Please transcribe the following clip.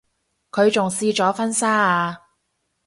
佢仲試咗婚紗啊